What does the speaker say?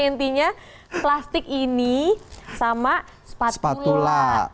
intinya plastik ini sama spatula